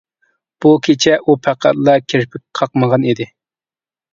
بۇ كېچە ئۇ پەقەتلا كىرپىك قاقمىغان ئىدى.